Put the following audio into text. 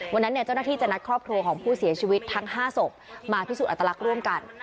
วันนั้นเจ้าหน้าที่จะนัดครอบครัวของผู้เสียชีวิตทั้ง๕ศพมาพิสูจนอัตลักษณ์ร่วมกัน